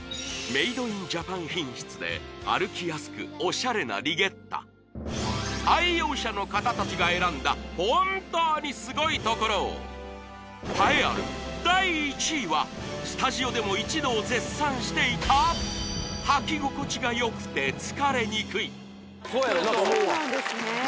メイドインジャパン品質で歩きやすくオシャレなリゲッタ愛用者の方達が選んだ本当にすごいところ栄えある第１位はスタジオでも一同絶賛していたそうやろなと思うわそうなんですね